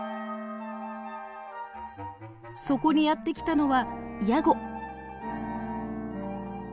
そこにやって来たのはヤゴ。